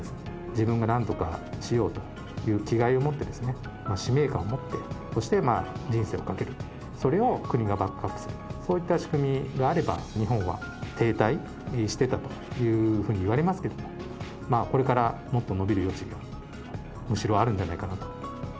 自分がなんとかしようという気概を持って、使命感を持って、そして人生を懸ける、それを国がバックアップする、そういった仕組みがあれば、日本は停滞していたというふうにいわれますけれども、これからもっと伸びる余地が、むしろあるんじゃないかなと。